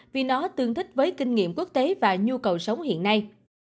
vì nó tương thích với kinh nghiệm quốc tế và nhu cầu sống hiện nay